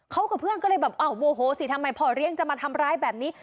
เขากับเพื่อนก็เลยแบบอ้าวโมโหสิทำไมพ่อเลี้ยงจะมาทำร้ายแบบนี้